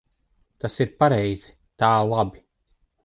Tas ir pareizi. Tā labi.